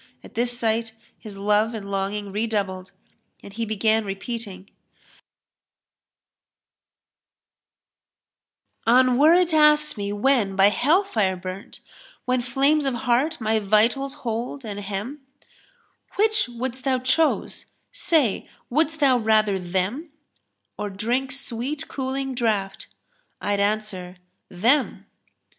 [FN#308] At this sight, his love and longing redoubled, and he began reating, "An were it asked me when by hell fire burnt, * When flames of heart my vitals hold and hem, 'Which wouldst thou chose, say wouldst thou rather them, * Or drink sweet cooling draught?' I'd answer, 'Them!'